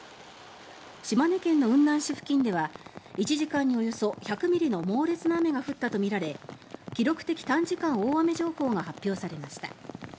島根県の雲南市付近では１時間におよそ１００ミリの猛烈な雨が降ったとみられ記録的短時間大雨情報が発表されました。